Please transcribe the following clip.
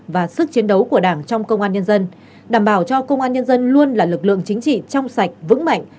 và sức chiến đấu của đảng trong công an nhân dân đảm bảo cho công an nhân dân luôn là lực lượng chính trị trong sạch vững mạnh